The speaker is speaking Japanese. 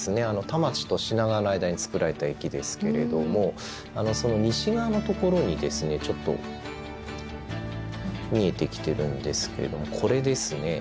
田町と品川の間につくられた駅ですけれどもその西側のところにですねちょっと見えてきてるんですけれどもこれですね。